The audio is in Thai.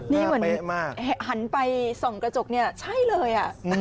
นี่เหมือนหันไปส่องกระจกเนี่ยใช่เลย